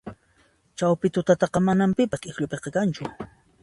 Chawpi tutataqa manan pipas k'ikllupiqa kanchu